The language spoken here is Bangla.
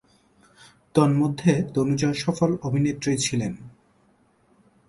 তন্মধ্যে তনুজা সফল অভিনেত্রী ছিলেন।